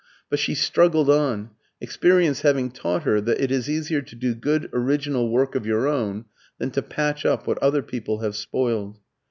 But she struggled on, experience having taught her that it is easier to do good original work of your own than to patch up what other people have spoiled.